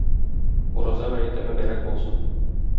Ураза гаете мөбарәк булсын!